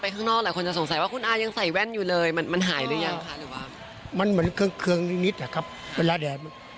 ก็เหมือนเครื่องนิดครับสัวร้านแดง